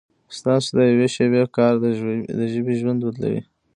ستاسو د یوې شېبې کار د ژبې ژوند بدلوي.